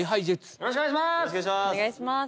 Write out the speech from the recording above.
よろしくお願いします